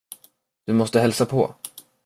Du måste hälsa på.